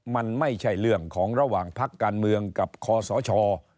มันไม่ใช่เรื่องของระหว่างพักการเมืองกับคอสช